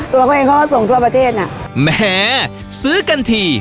ตัวเขาเองเขาก็ส่งทั่วประเทศอ่ะแหมซื้อกันที